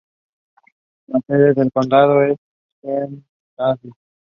La sede del condado es Schenectady.